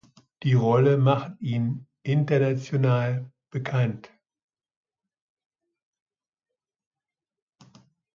Die Rolle machte ihn international bekannt.